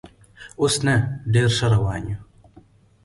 اوس نه، ډېر ښه روان یو.